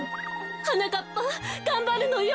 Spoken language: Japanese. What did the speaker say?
はなかっぱがんばるのよ。